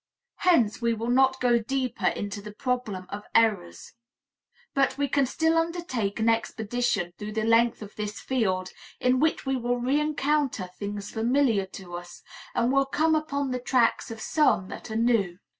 Hence we will not go deeper into the problem of errors, but we can still undertake an expedition through the length of this field, in which we will reëncounter things familiar to us, and will come upon the tracks of some that are new.